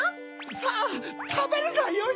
さぁたべるがよい。